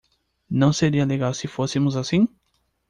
Não seria legal se fôssemos assim?